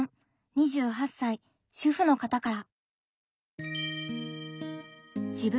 ２８歳主婦の方から。